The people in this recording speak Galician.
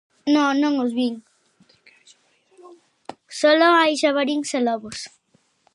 No, non os vin. [ruído] Solo hai xabaríns e lobos.